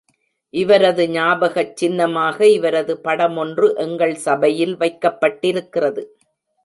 இவரது ஞாபகச் சின்னமாக இவரது படமொன்று எங்கள் சபையில் வைக்கப்பட்டிருக்கிறது.